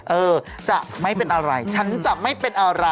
เออจะไม่เป็นอะไรฉันจะไม่เป็นอะไร